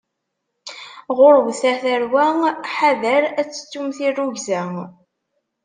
Ɣurwet a tarwa, ḥader ad tettum tirrugza.